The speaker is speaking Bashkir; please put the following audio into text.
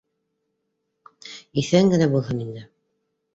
Иҫән генә булһын инде